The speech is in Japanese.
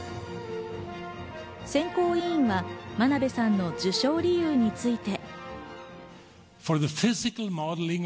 選考委員は真鍋さんの受賞理由について。